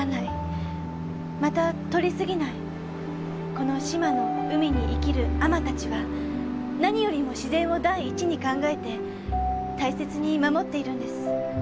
この志摩の海に生きる海女たちは何よりも自然を第一に考えて大切に守っているんです。